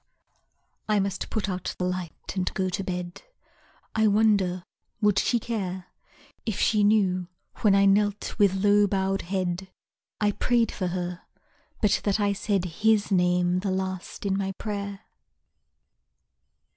I must put out the light and go to bed; I wonder would she care If she knew, when I knelt with low bowed head, I prayed for her, but that I said His name the last in my prayer?